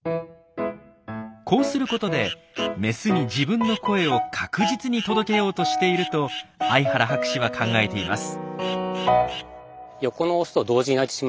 こうすることでメスに自分の声を確実に届けようとしていると合原博士は考えています。